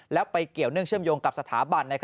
แล้วไปเกี่ยวเนื่องเชื่อมโยงกับสถาบัน